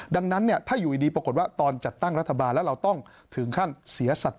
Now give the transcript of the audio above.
ดังนั้นเนี่ยถ้าอยู่ดีปรากฏว่าตอนจัดตั้งรัฐบาลแล้วเราต้องถึงขั้นเสียสัตว